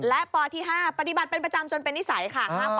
และปที่๕ปฏิบัติเป็นประจำจนเป็นนิสัยค่ะ